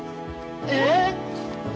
えっ！？